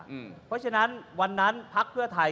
เพราะฉะนั้นวันนั้นพักเพื่อไทย